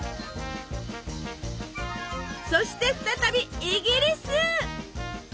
そして再びイギリス。